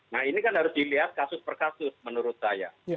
nah ini kan harus dilihat kasus per kasus menurut saya